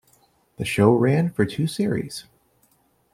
The show ran for two series.